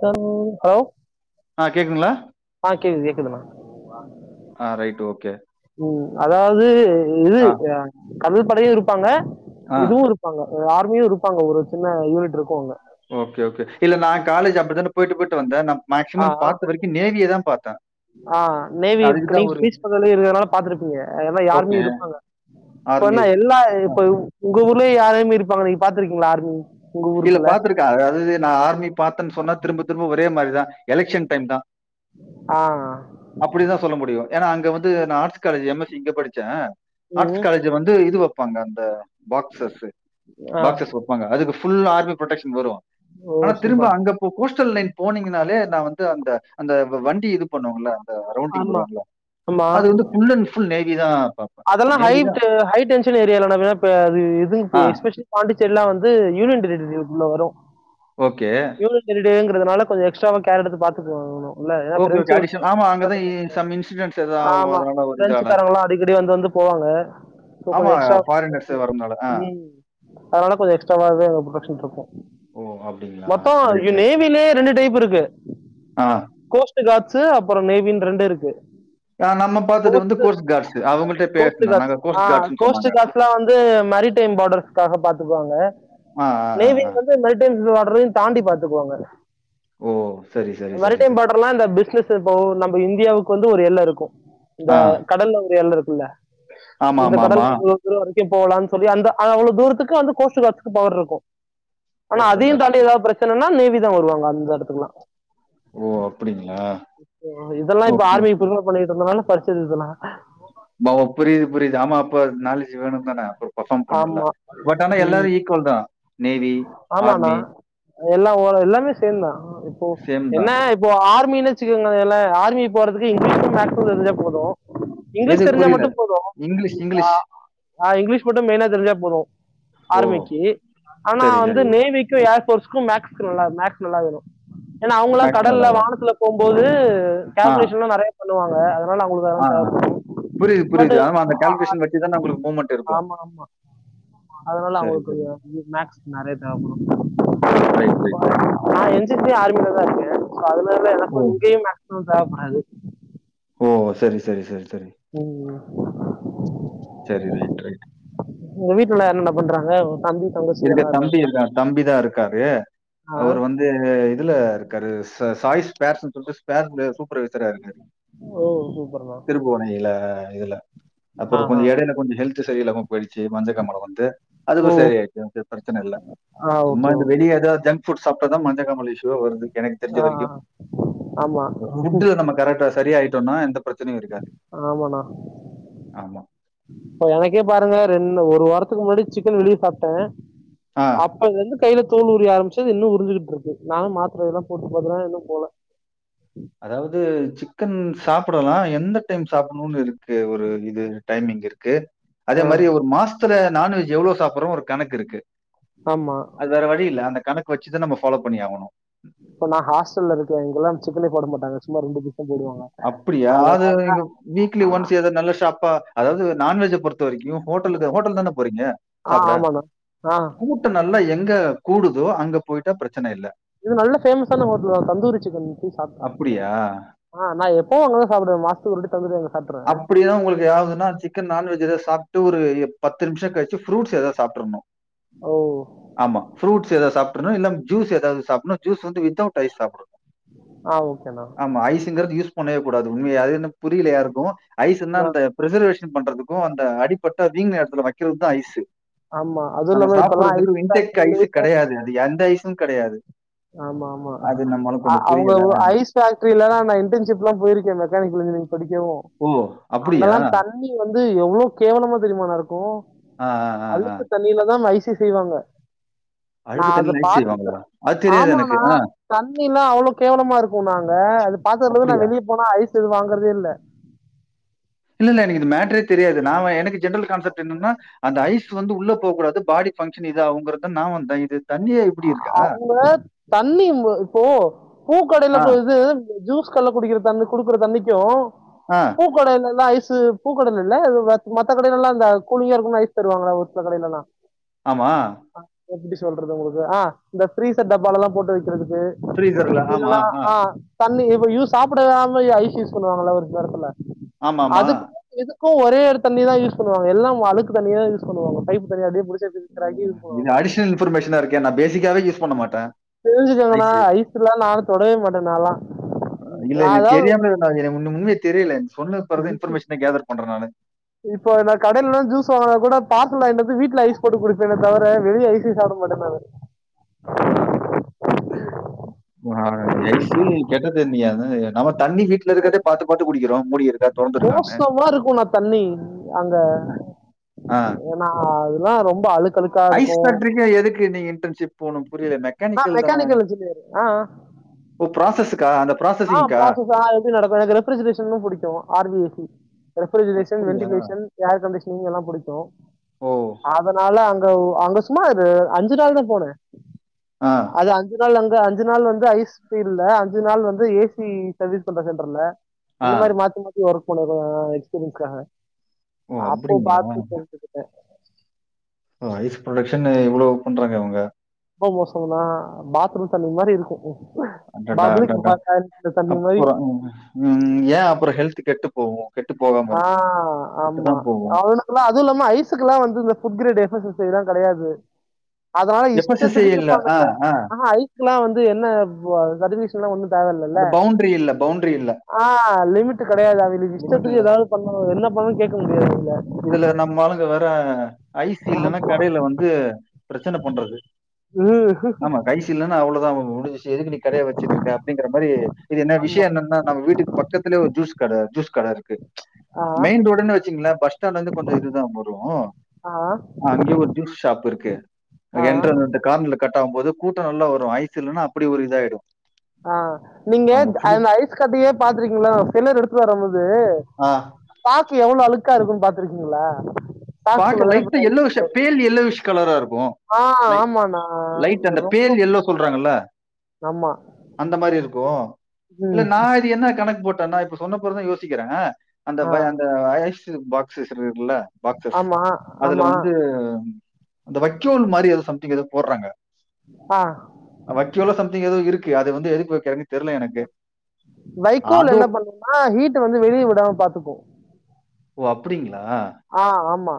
Hello ஆ கேக்குங்களா? ஆ கேக்குது கேக்குதுண்ணா ஆ ரைட்டு ஓகே ம் அதாவது இது ஆ, கடற்படையும் இருப்பாங்க ஆ. இதுவு இரு இருப்பாங்க ஆர்மியும் இருப்பாங்க ஒரு சின்ன யூனிட் இருக்கும் அங்க ஓகே ஓகே இல்ல நா காலேஜ் அப்புடித்தானே போயிட்டு போயிட்டு வந்தே ந ஆ மேக்சிமம் ஆ, பாத்த வரைக்கும் நேவியைதா பாத்தா ஆ நேவி நீ பீஸ் பண்ணதுலே இருக்கறதுனால பாத்திருப்பீங்க ஆனா ஓகே. ஆர்மியும் இருப்பாங்க இப்ப ஆர்மி. என்ன எல்லா அ இப்ப உங்க ஊர்லயே ஆர்மி இருப்பாங்க நீங்க பாத்திருக்கீங்களா ஆர்மி உங்க இல்ல ஊருக்குள்ள பாத்திருக்கே அதாவது நா ஆர்மி பாத்தேன்னு சொன்னா திரும்ப திரும்ப ஒரே மாரி தா எலெக்சன் டைம் தா. ஆ அப்படிதாசொல்ல முடியு ஏன்னா அங்க வந்து நா arts college M S C இங்க படிச்சேன் ஆர்ட்ஸ் ம் காலேஜ் இங்க வந்து இது வெப்பாங்க அந்த பாக்சஸ் ஆ பாக்சஸ் வெப்பாங்க அதுக்கு ஃபுல் ஆர்மி ப்ரொடெக்ஷன் வரு ஓ ஆனா திரும்ப சூப்பர் அங்க போஸ்டல் லைன் போனீங்னாலே நா வந்து அந்த அந்த வண்டி இது பண்ணுவோள அந்த ரவுண்டிங் ஆமா வருவங்களா அது வந்து ஃபுல் அண்ட் ஃபுல் நேவி தா அதெல்லா ஹய் டென்ஷன் ஏரியல வேணா எது ஆ எஸ்பெஷலி பாண்டிச்சேரி எல்லா வந்து யூனியன் டெரிடரிக்குள்ள வரும் ஓகே யூனியன் டெரிங்கிறதுனால கொஞ்சம் எக்ட்ராவ கேர் எடுத்து பாத்துகுவாங்க ஓகே, ஓகே. இன்னு அடிஷனல் ஆமா அங்க தான் இ சம் இன்சிடென்ட்ஸ் எதா ஆகும். ஆமா அதனால ஒரு இதால. பிரெஞ்சுக்காரங்கல்லா அடிக்கடி வந்து வந்து போவாங்க இப்போ ஆமா கொஞ்சம் எக்ஸ்ட்ரா ஃபாரினர்ஸ் வரதுனால. ஆ. [unintelligible] ம் அதனால கொஞ்சம் எக்ஸ்ட்ராவாவே அங்கு புரொடெக்ஷன் இருக்கும் ஓ அஃ மொத்தோ நேவிலயே ரெண்டு டைப் இருக்கு ஆ. கோஸ்ட் ட்டு காட்சு அப்பரோ நேவின்னு ரெண்டு இருக்கு ஆ நம்ம பாத்தது வந்து கோஸ்ட் கார்ட்ஸ் அவங்கள்ட பேசன நாங்க ஆ கோஸ்ட் கார்ட்ஸ்ன்னு சொன்ன கோஸ்ட்டு காட்ஸ் வந்து மேரிடைம் பார்டர்ஸ்க்காக பாத்துக்குவாங்க ஆ ஆ ஆ ஆ மேரிடைம் பார்டர்ஸ் தாண்டி பாத்துக்குவாங்க ஓ சரி சரி சரி சரி ப்பல்லாம் இந்த பிசினஸ் இப்போ நம்ம இந்தியாவுக்கு வந்து ஒரு எல்ல இருக்கும் இந்த ஆ. கடல்லல ஒரு எல்ல இருக்கும்ல்ல இந்த ஆமாமாமா. கடலுது தூர வரைக்கும் போகலான்னு சொல்லி அந்த அவ்வளவு தூரத்துக்கு அந்த கோஸ்ட் கார்ட்ஸுக்கு பவர் இருக்கும் ஆனா கோஸ்டல் அதையும் தாண்டி கார்ட்ஸ். ஏதாவது பிரச்சனன்னா நேவி தான் வருவாங்க அந்த இடத்துக்குல்லாம் ஓ அப்புடிங்ளா இப்போ இதெல்லா இப்போ ஆர்மிக்கு பிரிப்பேர் பண்ணிக்கிட்டு இருந்ததுனால படிச்சிது இதெல்லா மாமா புரிது புரிது ஆமா அப்ப நாலேஜ் வேணும் தான அப்றோ பர்ஃபார்ம் பண்ணோல்ல ஆமா பட் ஆனா எல்லாரு ம். ஈக்குவல் தா ஆமாண்ணா எல்லா ஓர எல்லாமே சேந்தா இப்போ சேம் என்ன தான் இப்போ ஆர்மின்னு வெச்சுக்கோங்ல ஆர்மி போறதுக்கு இங்கிலீஷும் மேக்ஸ்சு தெரிஞ்சா போது எது இங்கிலீஷ் தெரிஞ்சா புரியல மட்டு போது இங்கிலீஷ் ஆ இங்கிலீஷ் ஆ இங்கிலீஷ் மட்டு மெய்னா தெரிஞ்சா போது ஓ ஆர்மிக்கி ஆனா சரி வந்து சரி நேவிக்கு ஏர் போர்ஸ்க்கு மேக்ஸ்க்கு மேக்ஸ் நல்லா வேனு ஏன்னா அவங்கல்லா மேக்ஸ் கடல்ல நல்லா வரும் வானத்துல போம்போது ஆ கால்குலேஷன்லா நறைய பண்ணுவாங்க அதனால அவுங்களுக்கு அதெல்லா தேவப்படும் புரிது புரிது ஆமா அந்த கால்குலேஷன் வெச்சி தானே உங்களுக்கு மூமண்ட் இருக் ஆமா ஆமா அதனால சரி அவுங்களுக்கு சரி கொஞ்சோ மேக்ஸ் நெறைய தேவப்படு ஓ ரைட் ரைட் ரைட் நா என் சி சி ஆர்மியிலதா இருக்கே சோ அதுனால ஓ எனக்கு இங்கேயும் மேக்சிமம் தேவப்படாது ஓ செரி சேரி செரி சேரி ம் சேரி ரைட் ரைட் உங்க வீட்ல என்னன்ன பண்றாங்க உங்க தம்பி தங்கச்சி இருக்கூ எல்லாம் இருக்காங்க தம்பி இருக்கா தம்பி தா இருக்காரு ஆ அவரு வந் இது இதுல இருக்காரு ச சாய் ஸ்பேர்னு சொல்லிட்டு ஸ்பேர் சூப்பர்வைசரா இருக்காரு ஓ சூப்பர் தா திருபுவனையில இதுல அப்றோ ஆஹா கொஞ்சோ எடைல கொஞ்சோ ஹெல்த் சேரி இல்லாமா போயிடுச்சி மஞ்ச காமல வந்து அதுவு ஓ செரி ஆயிச்சி பிரச்சன இல்ல ஆ சும்மா ஓகே இந்த வெ ஓகே வெளிய ஏதா ஜங்க் புட் சாப்டாதா மஞ்ச காமாலை இஸ்யூ ஏதோ வருது எனக்கு தெரிஞ்ச ஆ ஆ. வரைக்கு ஆமா ஒரு ஃபுட் நம்ம கரெக்டா சரியா ஆயிட்டோம்னா எந்த பிரச்சனையும் இருக்காது. ஆமாண்ணா ஆமா. இப்ப எனக்கே பாருங்க ரெண்டு ஒரு வாரத்துக்கு முன்னாடி சிக்கன் வெளியே சாப்ட ஆ அப்பலைருந்து கையில தோல் உரி ஆரம்பிச்சது இன்னு உரிஞ்சுட்டு இருக்கு நானு மாத்திர இதெல்ல போட்டு பாத்துட்ட இன்னு போல அதாது சிக்கன் சாப்புடலா எந்த டைம் சாப்புட்ணும்னு இருக்கு ஒரு ஒரு இது டைமிங் இருக்கு அதே ஆ, மாரி ஒரு மாச த்துல நான்வெஜ் எவ்லோ சாப்புட்றோ ஒரு கணக்கு இருக்கு ஆமா அது வேற வழி இல்ல அந்த கணக்கு வெச்சுதா நம்ம ஃபாலோ பண்ணியாகணு இப்ப நான் ஹாஸ்டல்ல இருக்க இங்கல்லா சிக்கனே போட மாட்டங்க சும்மா ரெண்டு பீஸ் தா போடுவாங்க அப்புடியா அது அதனால இங்க வீக்லி ஒன்ஸ் ஏதா நல்ல ஷாப்பா அதாவது நான்வெஜ்ஜ பொறுத்த வரைக்கு ஹோட்டலுக்கு ஹோட்டல் தானே போறீங்க ஆ சாப்ட ஆமாண்ணா ஆ கூ ட்டோ நல்லா எங்க கூடுதோ அங்க போயிட்டா பிரச்சன இல்ல இது நல்ல ஃபேமஸான ஹோட்டல் தா தந்தூரி சிக்கன் போயி சாப்டே அப்படியா? ஆ நா எப்பவு அங்கதா போய் சாப்புவே மாச த்துக்கு ஒரு வாட்டி தந்தூரி அங்க சாப்புட்ருவ அப்புடினா உங்களுக்கு எதாவுதுன்னா சிக் கன் நான்வெஜ் ஏதோ சாப்டு ஒரு பத்து நிமிஷோ கழிச்சு புருட்ஸ் ஏதாவது சாப்புட்ருன்னு ஓ ஆமா ஃபுர்ட்ஸ் ஏதாது சாப்புட்ருணு இல்ல ஜூஸ் ஏதாது சாப்புன்னு ஜூஸ் வந்து வித் தவுட் ஐஸ் சாப்புடுணு ஆ ஓகேண்ணா ம ஐஸுங்கறது யூஸ் பண்ணவே கூடாது உண்மைய அது இன்னு புரியல யாருக்கு ஐஸ்சுன்னா ஆ, அந்த பிசர்வேஷன் பண்றதுக்கு அந்த அடிப்பட்டா வீங்குன எடத்துல வெக்கறதுதா ஐஸு ஆமா அதுவும் நம்ம இல்லாம இப்பெல்லாம் ஐஸ் சாப்படுறதுக்கு வின்டெக் ஃபேக்டரியில ஐஸு கெடையாது அது எந்த ஐஸு கெடையாது ஆமாம்மா அ அவுங்க ஒ ஐஸ் ஃபேக்ட்ரீல தா இன்டன்ஷிப்லா போயிருக்க மெக்கானிக்கல் இன்ஜினிரிங் படிக்கவு ஓ அப்படியா அங்கல்லா தண் ணி வந்து எவ்வளோ கேவலமா தெரியுமா ணா இருக்கு அ அ அ அ தண்ணீலதா ஐசே செய்வாங்க நா அழுக்கு அத தண்ணியில் ஐஸ் பாத்துட்டு செய்வாங்களா அது தெரியாது எனக்கு ஆமாண்ணா ஆ தண்ணீலா அவ்வளோ கேவலமா இருக்குணா அங்க அது பாத்ததுலருந்து நா அப்படியா வெளிய போனா ஐஸ் ஸு வாங்கறதே இல்ல இல்ல இல்ல எனக்கு இந்த மேட்டரே தெரியாது நா வ எனக்கு ஜென்ரல் கான்செப்ட் என்னன்னா அந்த ஐஸ் வந்து உள்ள போக்கூடாது பாடி பங்க்ஷன் இதாகுங்கறது நா வந்த இது தண்ணியே இப்படி இருக்கா அவுங்க தண்ணி இம்பு இப்போ பூக்கடல ஆ கு இது ஜூஸ் கடல குடிக்கற தண்ணி குடுக்கற தண்ணிக்கு அ பூக்கடைலெல்லா ஐஸு பூக்கடையில இல்ல இது மத் மத்த கடைலெல்லா இந்த கூழிங்கா இருக்கும்ன்னு ஐஸ் தருவாங்கல்ல ஒரு சில கடைலலா ஆமா ஹ எப்படி சொல்றது உங்களுக்கு ஆ இந்த பிரீஸ்சர் டப்பாலலா போட்டு வைக்கறதுக்கு ஃப்ரீசர்ல ஆமா இல்லன்னா ஆ அ தண்ணி ஏவு யூ சாப்பிடயாம யா ஐஸ் யூஸ் பண்ணுவாங்கல்லா ஒரு படத்துல ஆமா ஆமா அதுக்கு எதுக்கு ஒரே ஒரு தண்ணீ தா யூஸ் பண்ணுவாங்க எல்லா உ அழுக்கு தண்ணி தா யூஸ் பண்ணுவாங்க பைப்பு தண்ணி அப்படியே புடிச் இது அடிஷனல் இன்பர்மேஷனா இருக்கே நா பேசிக்காவே யூஸ் பண்ண மாட்டே தெரிஞ்சுக்கங்கன்னா ஐஸ்லா நானு தொடவே மாட்ட நாலா நா அதாவ் அது உன்னு உன்னுமே தெரில நீ சொன்து அப்பறோ தா இன்ஃபர்மேஷனே கேதர் பண்ற நானு இப்ப நா கடைலலா ஜூஸ் வாங்கனா கூட பார்சல் வாயின்ட்டு வந்து வீட்டுல ஐஸ் போட்டு குடிப்பேனே தவர வெளிய ஐசே சப்படமாட்ட நானு அடடா [unintelligible] அ நம்ம தண்ணீ வீட்ல இருக்கறதே பாத்து பாத்து குடிக்கறோ முடி மோசமா இருக்கு நா தண்ணி அங்க ஆ நா அதுலா ரொம்ப அழுக் ஐஸ் ஃபேக்டரிக்கு எதுக்கு நீங்க இன்டர்ன்ஷிப் போணு புரில நான் மெக்கானிக்கல் தான இன்ஜினியர் ஆ ஓ பிராசஸ்க்கா அந்த ஆ பிராசஸ் ஆ எப்டி நடக்கு எனக்கு ரெஃப்ரிஜரேஷனு புடிக்கு R P S C refrigeration அப்படியா? வென்டிலேஷன் ஏர் கண்டிஷனிங் எல்லா புடிக்கு ஓ! அதனால அ ங்க அங்க சுமா ஒரு அஞ்சு நாள் தா போன அ அது அஞ்சு நாள் அங்க அஞ்சு நாள் வந்து ஐஸ் பீல் ல அஞ்சு நாள் வந்து த ஏ சி சர்வீஸ் பண்ற சென்டர்ல ஆ. அந்த மாரி மாத்தி மாத் சி ஒர்க் பண்ண தா எக்ஸ்பிரியன்ஸ்காக ஓ அப்போ அப்படிங்களா? பாத்து தெரிச்சிகிட்ட அ ஐஸ் ப்ரொடக்ஷன் இவ்வளோ பண்றாங்க அவங்க ரொம்ப மோசமனா பாத்ரூம் தண்ணி மாரி இருக்கு அடடா அடடா மாதிரி அப்பறோ ம் ஏ அப்பறோ ஹெல்த்து கெட்டு போவு ஆ ஆமா அவனு ஃபுல்லா அதுவுல்லாம ஐஸுக்குலா வந்து இந்த food grade S S S I லா கெடையாது அதனால எஃப்எஸ்எஸ்ஐ இஷ்டத்துக்கு இல்ல. ஆ, இருப்பானுங்க ஆ. ஆஹா ஐஸ்க்ல்லா வந்து என்ன ப் [unintelligible] சில்லா ஒன்னு தேவயில்லல்ல அது பவுண்டரி இல்ல பவுண்டரி இல்ல ஆ லிமிட்டு கெடையாது அதுல் நீ இஷ்ட லிமிட் இல்ல துக் பண்ணு என்ன பண்ணணு கே்க முடியாதுல இதுல நம்ம ஆளுங்க வேற ஐஸ் இல்லன்னா அவங்கள ஆமா கடைல வந்து ப்ரெச்சன பண்றது உம் ஆமா ஐஸ் ஸு இல்லனா அவ்ளோதா முடிஞ்சிச்சு எதுக்கு நீ கடைய வெச்சிட்ருக்க அப்டிங்கிறமாரி இது என்ன விஷயோ ஆமா என்னனா நம் வீட்டுக்கு பக்கத்திலே ஒரு ஜூஸ் கட ஜூஸ் கட இருக்கு ஆ மெயின் ரோடுன் வெச்சீங்ளே ஃபஸ் ஸ்டாண்லந்து கொஞ்சோ இதுதா வரு ஆ அங்யே ஒரு ஜூஸ் ஷாப் இருக்கு அ ஆ என்ட்ரென் ரெண்டு கார்னர்ல கட்டாகும் போது கூட்டோ நல்லா வரு ஐஸ் இல்லன்னா அப்படி ஒரு இதாயிடு ஆ நீங்க அந்த ஐஸ் கடையே பாத்துருக்கீங்களா செலர் எடுத்துட் வரம்போது ஆ பாக்க எவ்வளோ அழுக்கா இருக்குன் பாத்துருக்கீங்களா பாக்க லைட்டா எல்லோயிஷ் பேல் எல்லோவிஷ் கலராருக்கு ஆ லை ஆமாண்ணா லைட் அந்த பேர் ரொம்ப எல்லோ சொல்றாங்கல ஆமா அந்த மாரி இருக்கோ இல்ல ம் நா இது என்ன கணக்கு போட்டனா இப்ப சொன்னப்பறந்தா யோசிக்கிற அந்த ஆ வ அந்த ஐஷ் இருக் பாக்ஸ் இருக்குல பாக் சஸ் ஆமா அதுல ஆமா வந்து அந்த வக்கோல் மாரி எதோ சம்திங் எதோ போட்றாங்க ஆ அ வக்யோலோ சம்திங் எததோ இருக்கு அது வந்து எதுக் வெக்கறாங்க வைகோல் என்ன அதோட பண்ணுனா ஹீட்டு வந்து வெளியே விடாம பாத்துக்கு ஓ அப்படிங்ளா ஆ ஆமா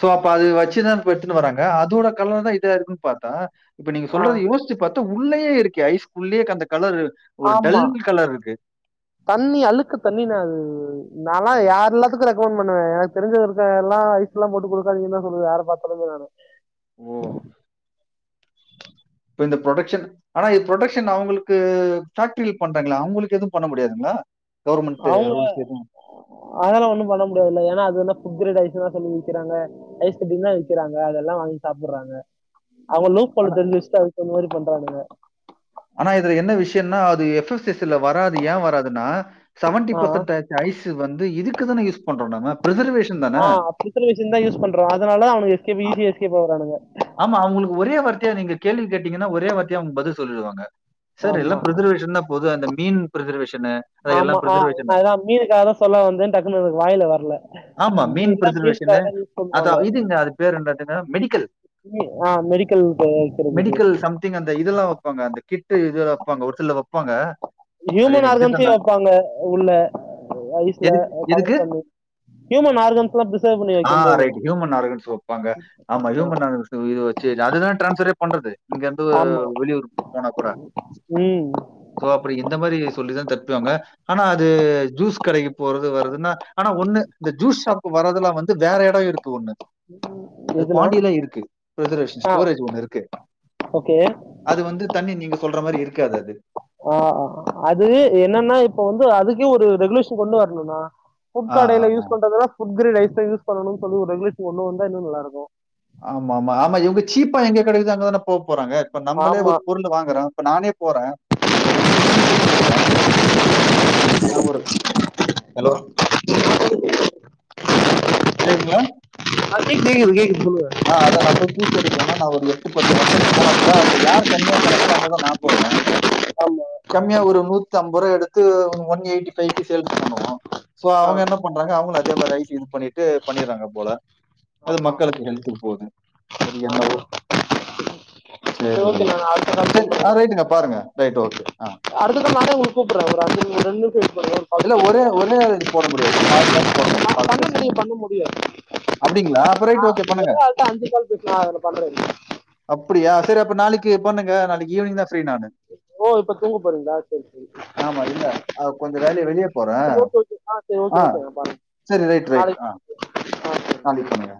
சோ அப்ப அது வச்சுதா இப்ப எத்துனு வராங்க அதோட கலர்தா இதா இருக்குன் பாத்தா இப்ப நீங்க ஆ, சொல்றது யோ ஸ்ச்சு பாத்தா உள்ளேயே இருக்கே ஐஸ்குள்யே அந்த கலரு ஒரு ஆமா. டல் கலருக்கு தண்ணி அழுக்கு தண்ணிணா அது நாலா யார்ல்லா துக்கு ரெக்கமண் பண்ணுவ எனக் தெரிஞ்சவருக்க எல்லா ஐஸ்லா போட்டு குடுக்காதிங்கனுதா சொல்லுவ யார பாத்தாலுமே நானு ஓ இப்ப இந்த ப்ரொடக்க்ஷன் ஆனா இது ப்ரொடக்க்ஷன் அவங்களுக்கு ஃபேக்ட்ரில் பண்றாங்களே அவுங்களுக்கு எதுவு பண்ண முடியாதுங்ளா அவுங்க அதெல்லா ஒண்ணு பண்ண முடியாதுல்ல ஏன்னா அதுனா ஃபுட் க்ரேட் ஐஸுனா சொல்லி விக்கிறாங்க ஐஸ் கட்டின்தா விக்கிறாங்க அதெல்லா வாங்கி சாப்பிற்றாங்க அவுங்க லோ க்கலு ஆனா தெரிஞ்சு வெஷ்தா அதுக் தகுந்த மாரி பண்றானுங்க ஆனா இதுல என்ன விஷயன்னா அது எஃப் எஃப் எஸ் எ ல வராது ஏ வராதுன்னா செவன்டி ஆ, பேசன்டே ஆ. ஐஸ் வந்து இதுக்கு தான யூஸ் பண்றோ நாம்ம ப்ரிசர்வேஷன்தான ப்ரிசர்வேஷன்தா யூஸ் பண்றோ அதனால்தா அவனுங்க எஸ்கேப்பு அ ஈஸியா எஸ்கேப் ஆவுறானுங்க ஆமா அவுங்களுக்கு ஒரே வார்த்தியா நீங்க கேள்வி கேட்டீங்கன்னா ஒரே வார்த்தியா அவுங்க பதில் சொல்லிடுவாங்க சார் எல்லா ஆமா. ப்ரிசர்வேஷன்தா போது அந்த மீன் ப்ரிசர்வேஷனு ஆமா ஆ அதுதா மீனுக்காகதா சொல்லா வந்தே டக்குன்னு எனக் வாயில வர்ல மெய்னா மீனுக்காகதா அதா இதுங்க அது பேரு என்னாதுங்க மெடிக்கல் ஆ மெடிக்கல் தயாரிக்கிறதுக்கு த்திங்க அந்த இதெல்லா வப்பாங்க அந்த கிட்டு இதெல்லா வெப்பாங்க ஒருசில வெப்பாங்க ஹியூமன் ஆர்கன்ஸே வெப்பாங்க உள்ள ஐஸ்ல எதுக்கு அ பவரு எதுக்கு கம்மி ஹியூமன் ஆர்கன்ஸ்ல்லா ப்ரிசெவ் பண்ணி ஆ வெக்கும்போது ரைட் ஹியூமன் ஆர்கன்ஸ் வைப்பாங்க ஆமா ஹியூமன் ஆர்கன்ஸ் இது வெச்சு அதுதா டிரான்ஸ்பரே பண்றது இங்கந்து ஆமா வெளியூர் போ போனா கூட ம் சோ அப்படி இந்த மாரி சொல்லிதா தப்பிவாங்க ஆனா அது ஜூஸ் கடைக்கு போறது வருதுன்னா ஆனா ஒண்ணு இந்த ஜூஸ் ஷாப் வரதுலா வந்து வேற எடோ இருக்கு கு ஒன்னு அது எதுனா பாண்டில்ல இருக்கு பிரிஸர்வேஷன் ஆ ஸ்டோரேஜ் ஒண்ணு இருக்கு ஓகே அது வந்து தண்ணி நீங்க சொல்ற மாரி இருக்காது அது ஆ அது என்னன்னா இப்ப வந்து அதுக்கே ஒரு ரெகுலேஷன் கொண்டு வரணுன்னா புட் ஆ ஆ கடைல ஆ யூஸ் பண்றது எல்லா [unintelligible] ரைஸ் யூஸ் பண்ணனும்னு சொல்லி ஒரு ரெகுலஷன் கொண்டு வந்தா இன்னு நல்லா இருக்கு ஆமா ஆமா ஆமா இவங்க சீப்பா எங்க கிடைக்கிதோ அங்க தான போ போறாங்க இப்போ நம்மளே ஆமா ஒரு பொருளு வாங்குறோ இப்ப நானே போறே அந்த முந்திரி பீசஸ் எடுக்கறே என்னா ஊரு ஹலோ [unintelligible] கேக்துங்களா அ கேக்குது கேக்குது சொல்லுங்க ஆ அத நா போய் பீஸ் எடுக்றேனா நா ஒரு எட்டு பத்து கம்பனி போனா கூட அதுல யார் கம்மியா தராறங்களோ அங்கதா நா போவே [unintelligible] ஆமா கம்மியா ஒரு நூத்தி ஐம்பருவா எடுத்து ஒன் எயிட்டி பைவ்க்கு சேல்ஸ் பண்ணுவோ சோ அவங்க ஆ என்ன பண்ணுவ அவங்களு அதே மாரி ரைஸ் இது பண்ணிட்டு பண்ணிடறாங்க போல அது ஆமா மக்களுக்கு போகுது சரி ஆஹ் என்னவோ சரி சேரி ஓகே ரைட்டு நான் அடுத்த கால் சேர் ஆ ரைட்டுங்க பாருங்க ரைட் ஓகே ஆ அடுத்தது நானே உங்கள கூப்படறே ஒரு அஞ்சு நிமிக்ஷோ ரைட்டு நிமிஷ வெயிட் பண்ணுங்க கால் இல்ல ஒரே கூப்பிடுறேன் ஒரே இது போட முடியாது மாறி மாறி போடனு பார்த்து பேச [unintelligible] பண்ண முடியாது அப்டிங்களா அப்ப ரைட் ஓகே பண்ணுங்க அஞ்சு கால் பேசலாம் அதில் பண்றேன் அப்படியா சரி அப்ப நாளைக்கு பண்ணுங்க நாளைக்கு ஈவினிங் தா ஃப்ரீ நானு ஓ இப்போ தூங்க போறீங்களா சரி சரி ஆமா இல்ல அது கொஞ் வேலயா வெளியே போறே சரி ஓகே ஓகே சரி ஓகே ஆ ஓகே நான் பாருங்க சேரி ரைட் ரைட் ஆ நாளைக்கு ஆ சரி நாளைக்கு பண்ணுங்க